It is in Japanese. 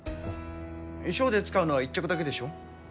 ショーで使うのは１着だけでしょ？